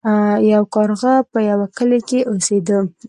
یو کارغه په یوه کلي کې اوسیده.